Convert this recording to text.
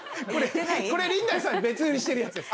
これリンナイさんで別売りしてるやつです。